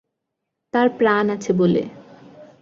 তার প্রাণ আছে বলে।